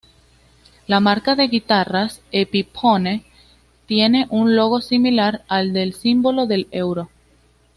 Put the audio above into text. La marca de guitarras, Epiphone tiene un logo similar al del símbolo del euro.